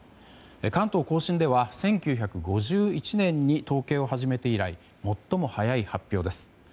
関東・甲信では１９５１年に統計を始めて以来最も早い発表です。